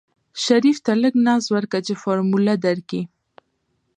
شريف ته لږ ناز ورکه چې فارموله درکي.